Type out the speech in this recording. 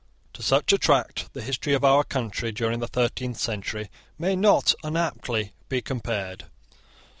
To such a tract the history of our country during the thirteenth century may not unaptly be compared.